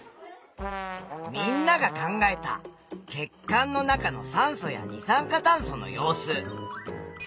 みんなが考えた血管の中の酸素や二酸化炭素の様子。